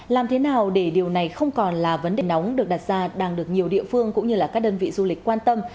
làm thế nào để điều này không còn là vấn đề nóng được đặt ra đang được nhiều địa phương cũng như các đơn vị du lịch quan tâm